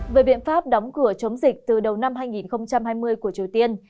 về biện pháp đóng cửa chống dịch từ đầu năm hai nghìn hai mươi của triều tiên